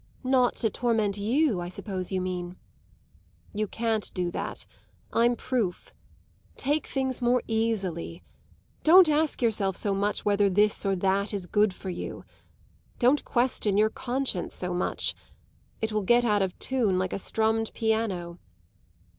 "Not to torment you, I suppose you mean." "You can't do that; I'm proof. Take things more easily. Don't ask yourself so much whether this or that is good for you. Don't question your conscience so much it will get out of tune like a strummed piano.